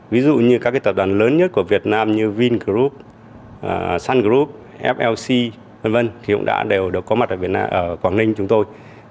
ví dụ như các tập đoàn lớn nhất của việt nam như vingroup sungroup flc v v thì cũng đã đều có mặt ở quảng ninh chúng tôi